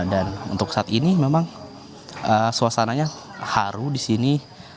dan untuk saat ini memang suasananya haru di sini